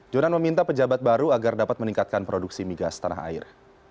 jonan meminta pejabat baru agar dapat meningkatkan produksi migas tanah air